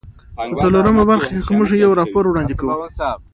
په څلورمه برخه کې موږ یو راپور وړاندې کوو.